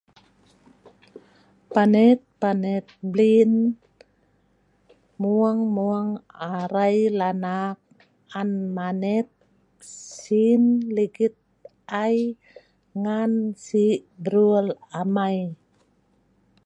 panet panet bliin, mueng mueng arai lanak an manet siin ligit ai, ngan si' brul amai